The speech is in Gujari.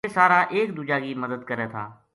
ویہ سارا ایک دُوجا کی مدد کرے تھا